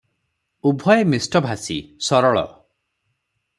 ଉଭୟେ ମିଷ୍ଟଭାଷୀ, ସରଳ ।